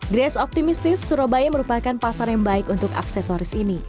grace optimistis surabaya merupakan pasar yang baik untuk aksesoris ini